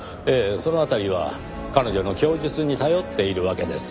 そのあたりは彼女の供述に頼っているわけです。